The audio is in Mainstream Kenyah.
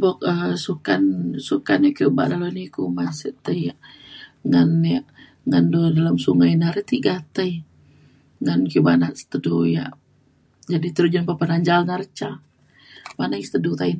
buk um sukan sukan ake obak dalau ni ku masat tai yak ngan yak ngan du dalau sungai na ri tiga tai ngan panak te du yak jadek terjun pe- peranjau na ri ca pandai te du ta’en.